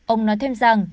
ông nói thêm rằng